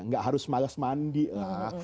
nggak harus males mandi lah